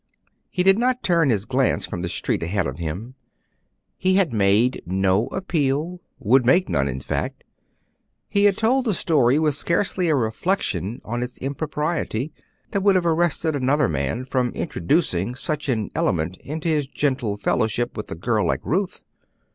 He did not turn his glance from the street ahead of him. He had made no appeal, would make none, in fact. He had told the story with scarcely a reflection on its impropriety, that would have arrested another man from introducing such an element into his gentle fellowship with a girl like Ruth.